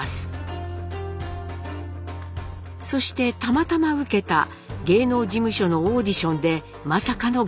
そしてたまたま受けた芸能事務所のオーディションでまさかの合格。